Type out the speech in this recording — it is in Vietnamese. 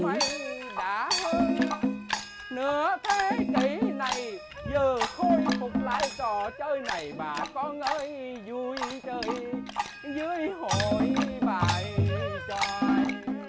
nửa thế kỷ này vừa khôi phục lại trò chơi này bà con ơi vui chơi dưới hội bài tròi